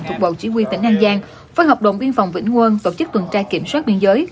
thuộc bộ chỉ huy tỉnh an giang phối hợp đồng biên phòng vĩnh quân tổ chức tuần tra kiểm soát biên giới